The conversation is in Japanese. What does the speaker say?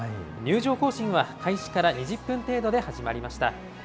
入場行進は開始から２０分程度で始まりました。